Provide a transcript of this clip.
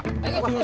eh itu siapa